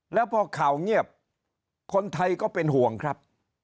แล้วพอข่าวเงียบคนไทยก็เป็นห่วงครับ